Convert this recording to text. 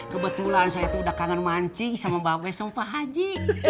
kebetulan saya tuh udah kangen mancing sama bapak sama pak haji